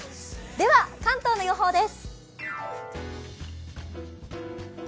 では関東の予報です。